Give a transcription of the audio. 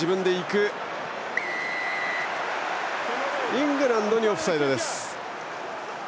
イングランドにオフサイドです。